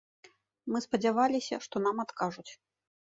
Мы спадзяваліся, што нам адкажуць.